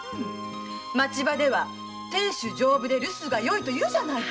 町場では「亭主丈夫で留守がよい」と言うじゃないか。